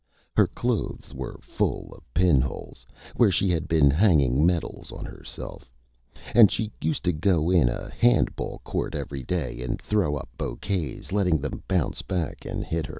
Her clothes were full of Pin Holes where she had been hanging Medals on Herself, and she used to go in a Hand Ball Court every Day and throw up Bouquets, letting them bounce back and hit Her.